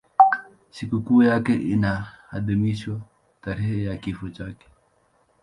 Sikukuu yake inaadhimishwa tarehe ya kifo chake.